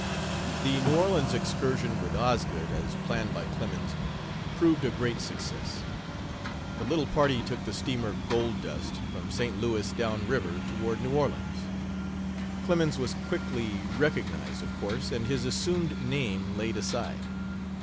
The New Orleans excursion with Osgood, as planned by Clemens, proved a great success. The little party took the steamer Gold Dust from St. Louis down river toward New Orleans. Clemens was quickly recognized, of course, and his assumed name laid aside.